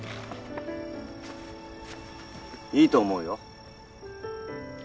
いいと思うよ。